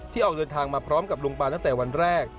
ออกเดินทางมาพร้อมกับลุงปานตั้งแต่วันแรก